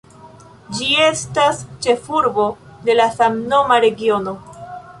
Ĝi estas ĉefurbo de la samnoma regiono.